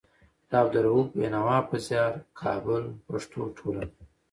د عبدالروف بېنوا په زيار. کابل: پښتو ټولنه